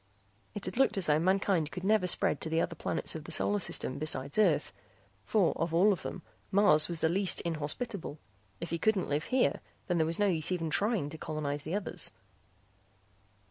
It had looked as though mankind could never spread to the other planets of the solar system besides Earth for of all of them Mars was the least inhospitable; if he couldn't live here there was no use even trying to colonize the others.